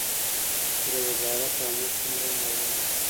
چې د وزارت امنیت لومړی معاون ؤ